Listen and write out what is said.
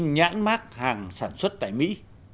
nhãn mác hàng sản xuất tại mỹ